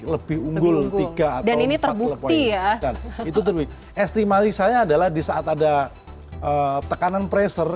lebih unggul tiga dan ini terbukti ya dan itu lebih estimasi saya adalah di saat ada tekanan pressure